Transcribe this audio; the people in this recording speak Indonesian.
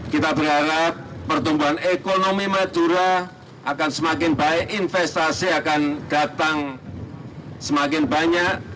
kita berharap pertumbuhan ekonomi madura akan semakin baik investasi akan datang semakin banyak